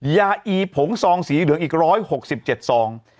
ยาอีผงซองสีเหลืองอีก๑๖๗ซอง